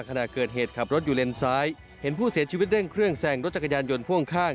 ขณะเกิดเหตุขับรถอยู่เลนซ้ายเห็นผู้เสียชีวิตเร่งเครื่องแซงรถจักรยานยนต์พ่วงข้าง